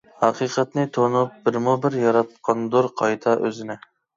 ھەقىقەتنى تونۇپ بىرمۇبىر ياراتقاندۇر قايتا ئۆزىنى.